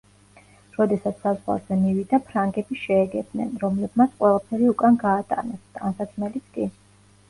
როდესაც საზღვარზე მივიდა ფრანგები შეეგებნენ, რომლებმაც ყველაფერი უკან გაატანეს, ტანსაცმელიც კი.